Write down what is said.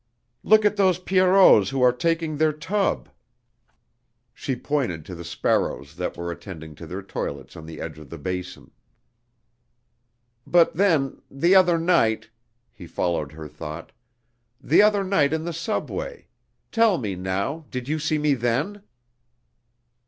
"Look at those pierrots who are taking their tub." (She pointed to the sparrows that were attending to their toilets on the edge of the basin.) "But, then the other night" (he followed her thought) "the other night in the subway tell me now, you did see me then?"